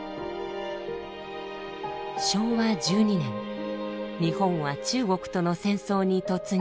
昭和１２年日本は中国との戦争に突入。